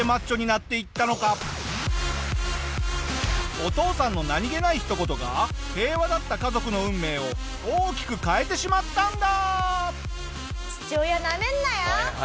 お父さんの何げないひと言が平和だった家族の運命を大きく変えてしまったんだ！